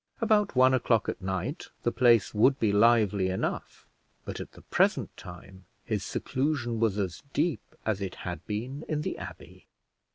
About one o'clock at night the place would be lively enough, but at the present time his seclusion was as deep as it had been in the abbey.